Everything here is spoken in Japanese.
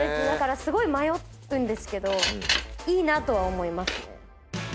だから迷うんですけどいいなとは思いますね。